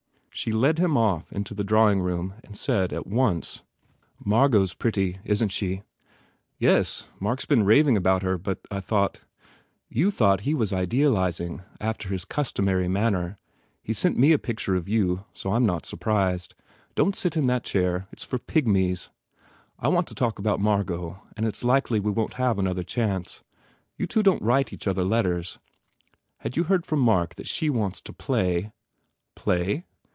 She led him off into the drawing room and said, at once, "Margot s pretty, isn t she?" "Yes. Mark s been raving about her but I thought" "You thought he was idealizing, after his cus tomary manner? He sent me a picture of you, so I m not surprised. Don t sit in that chair. It s for pygmies. ... I want to talk about Margot and it s likely we won t have another chance. You two don t write each other letters. Had you heard from Mark that she wants to play?" "Play?"